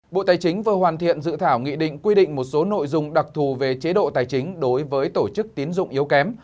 bộ tài chính vừa hoàn thiện dự thảo nghị định quy định một số nội dung đặc thù về chế độ tài chính đối với tổ chức tiến dụng yếu kém